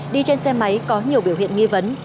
đi trên xe máy có nhiều biểu hiện nghi vấn